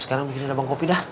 sekarang bikin abang kopi dah